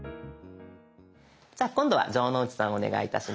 じゃあ今度は城之内さんお願いいたします。